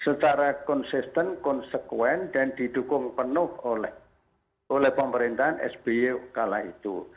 secara konsisten konsekuen dan didukung penuh oleh pemerintahan sby kala itu